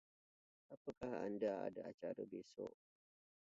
Apakah Anda ada acara besok?